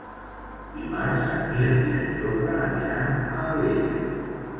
Dimarts en Mirt i en Jofre aniran a Alella.